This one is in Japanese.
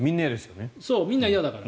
みんな嫌だから。